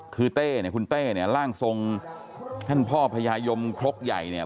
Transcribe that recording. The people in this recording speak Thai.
คือเต้เนี่ยคุณเต้เนี่ยร่างทรงท่านพ่อพญายมครกใหญ่เนี่ย